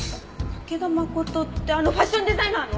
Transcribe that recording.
武田誠ってあのファッションデザイナーの！？